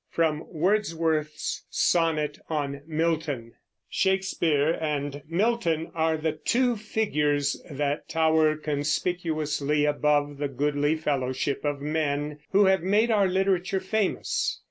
(From Wordsworth's "Sonnet on Milton") Shakespeare and Milton are the two figures that tower conspicuously above the goodly fellowship of men who have made our literature famous.